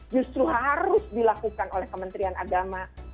justru harus dilakukan oleh kementerian agama